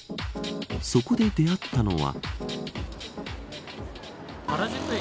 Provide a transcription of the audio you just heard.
そこで出会ったのは。